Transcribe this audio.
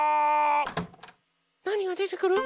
なにがでてくる？